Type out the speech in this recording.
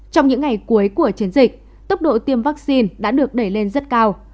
trong những ngày cuối của chiến dịch tốc độ tiêm vaccine đã được đẩy lên rất cao